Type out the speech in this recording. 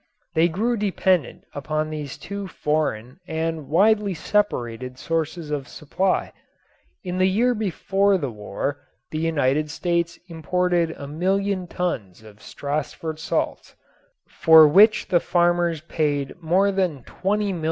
They grew dependent upon these two foreign and widely separated sources of supply. In the year before the war the United States imported a million tons of Stassfurt salts, for which the farmers paid more than $20,000,000.